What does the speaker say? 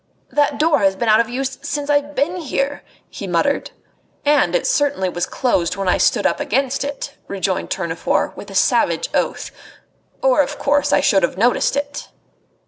"That door has been out of use ever since I've been here," he muttered. "And it certainly was closed when I stood up against it," rejoined Tournefort, with a savage oath, "or, of course, I should have noticed it."